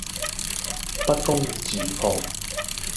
不攻自破